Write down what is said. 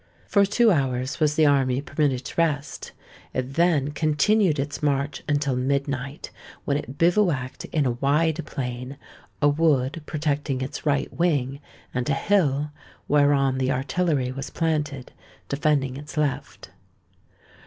For two hours was the army permitted to rest: it then continued its march until midnight, when it bivouacked in a wide plain, a wood protecting its right wing, and a hill, whereon the artillery was planted, defending its left.